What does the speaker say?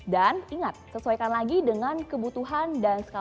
dan ingat sesuaikan lagi dengan kebutuhan dan skala perusahaan